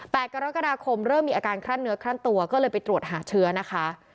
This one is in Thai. กรกฎาคมเริ่มมีอาการคลั่นเนื้อคลั่นตัวก็เลยไปตรวจหาเชื้อนะคะ